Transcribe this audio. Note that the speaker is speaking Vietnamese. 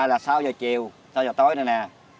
là sáu h chiều sáu h tối nữa nè